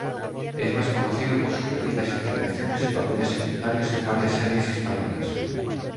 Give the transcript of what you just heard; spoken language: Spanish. Es más conocido por sus pequeñas intervenciones y papeles secundarios en varias series españolas.